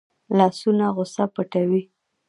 لاسونه غصه پټوي